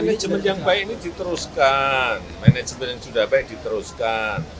manajemen yang baik ini diteruskan manajemen yang sudah baik diteruskan